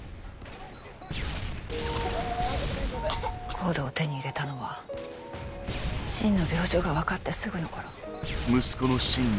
ＣＯＤＥを手に入れたのは芯の病状が分かってすぐの頃。